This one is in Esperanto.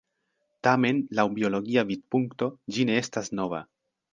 Tamen, laŭ biologia vidpunkto, ĝi ne estas nova.